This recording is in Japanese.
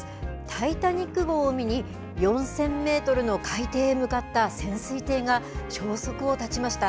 タイタニック号を見に、４０００メートルの海底へ向かった潜水艇が消息を絶ちました。